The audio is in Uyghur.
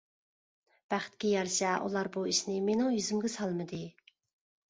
بەختكە يارىشا ئۇلار بۇ ئىشنى مېنىڭ يۈزۈمگە سالمىدى.